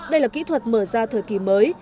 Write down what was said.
đây là kỹ thuật mở ra thời kỳ mới